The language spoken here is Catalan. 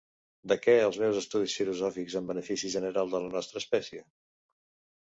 De què els meus estudis filosòfics en benefici general de la nostra espècie?